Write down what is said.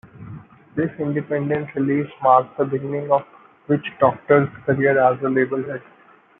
This independent release marked the beginning of Witchdoctor's career as a labelhead.